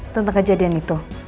tentang kejadian itu